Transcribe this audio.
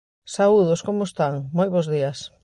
Saúdos, como están, moi bos días.